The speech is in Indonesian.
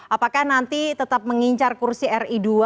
apakah nanti tetap mengincar kursi ri dua